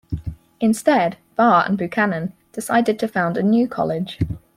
Instead, Barr and Buchanan decided to found a new college.